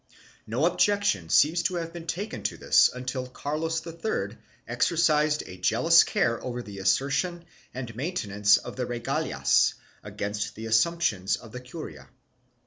2 No objection seems to have been taken to this until Carlos III exercised a jealous care over the assertion and maintenance of the regalias against the assumptions of the curia.